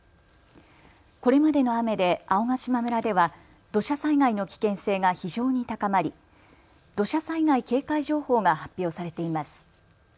これまでの雨で青ヶ島村では土砂災害の危険性が非常に高まり土砂災害警戒情報が発表されています。